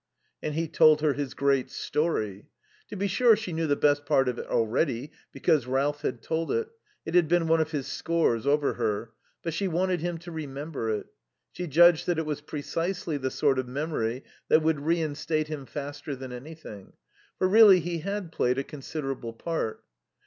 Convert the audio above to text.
And he told her his great story. To be sure, she knew the best part of it already, because Ralph had told it it had been one of his scores over her but she wanted him to remember it. She judged that it was precisely the sort of memory that would reinstate him faster than anything. For really he had played a considerable part.